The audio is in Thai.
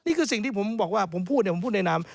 สิ่งที่ผมบอกว่าผมพูดเนี่ยผมพูดในนาม